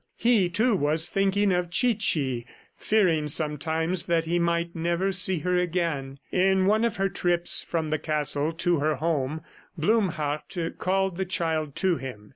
He, too, was thinking of Chichi, fearing sometimes, that he might never see her again. In one of her trips from the castle to her home, Blumhardt called the child to him.